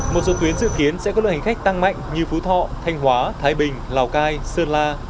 một số tuyến dự kiến sẽ có lượng hành khách tăng mạnh như phú thọ thanh hóa thái bình lào cai sơn la